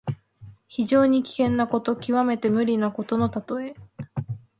非常に危険なこと、きわめて無理なことのたとえ。